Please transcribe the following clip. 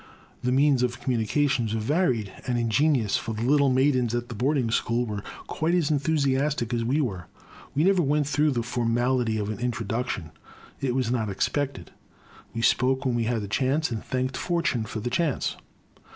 The means of communication were varied and ingenious, for the little maidens at the boarding school were quite as enthusiastic as we were. We never went through the formality of an introduc tion, — ^it was not expected; we spoke when we had the chance, and thanked fortune for the chance.